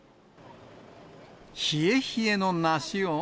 冷え冷えの梨を。